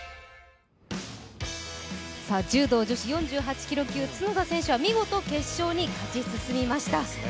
柔道女子４８キロ級、角田選手は見事、決勝に勝ち進みました。